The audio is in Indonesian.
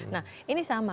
nah ini sama